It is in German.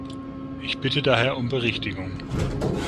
Ich bitte daher um Berichtigung.